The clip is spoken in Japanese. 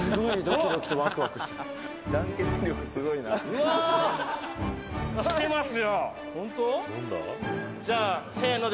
「うわあ！きてますよ」